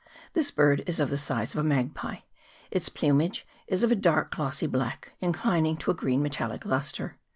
This bird is of the size of a magpie : its plumage is of a dark glossy black, in clining to a green metallic lustre.